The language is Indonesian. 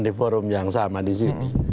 di forum yang sama di sini